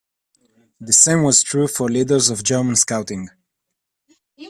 The same was true for leaders of German Scouting.